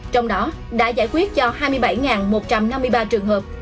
trong đó đã giải quyết cho hai mươi bảy một trăm năm mươi ba trường hợp